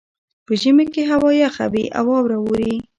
په ژمي کې هوا یخه وي او واوره اوري